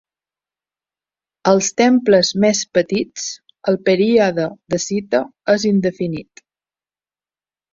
Als temples més petits, el període de cita és indefinit.